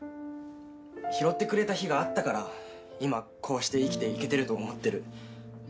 拾ってくれた日があったから今こうして生きていけてると思ってる。